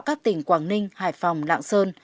các tỉnh quảng ninh hải phòng lạng sơn